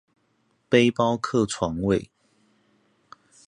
背包客床位